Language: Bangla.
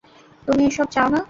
তুমি এসব চাও না?